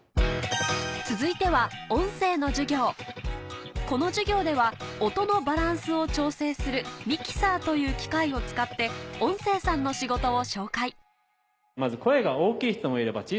続いては音声の授業この授業では音のバランスを調整するミキサーという機械を使って音声さんの仕事を紹介まず。